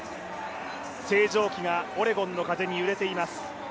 星条旗がオレゴンの風に揺れています。